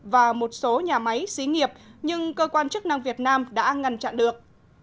và một số nhà máy xí nghiệp nhưng cơ quan chức năng việt nam đã ngăn chặn được